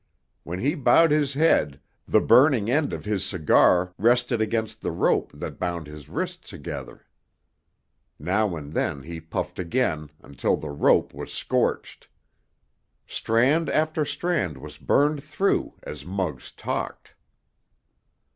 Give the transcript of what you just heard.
When he bowed his head, the burning end of his cigar rested against the rope that bound his wrists together. Now and then he puffed again, until the rope was scorched. Strand after strand was burned through as Muggs talked.